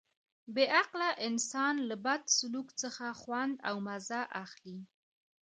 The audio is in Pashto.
بې عقله انسان له بد سلوک څخه خوند او مزه اخلي.